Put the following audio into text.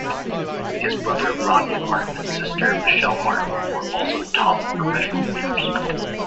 His brother Rodney Martin and sister Michelle Martin were also top professional players.